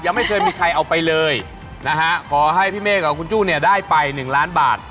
ไม่เคยมีใครเอาไปเลยนะฮะขอให้พี่เมฆกับคุณจู้เนี่ยได้ไป๑ล้านบาท